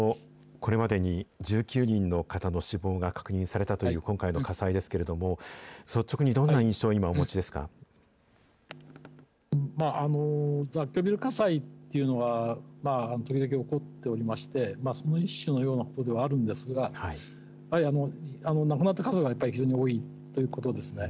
これまでに１９人の方の死亡が確認されたという、今回の火災ですけれども、率直にどんな印象、雑居ビル火災っていうのは、時々起こっておりまして、その一種のようなことではあるんですが、亡くなった数が非常に多いということですね。